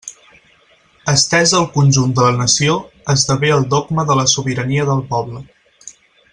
Estesa al conjunt de la nació, esdevé el dogma de la sobirania del poble.